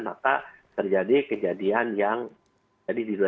maka terjadi kejadian yang jadi di r tiga